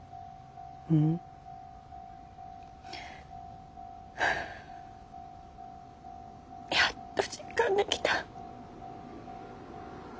ん？やっと実感できた。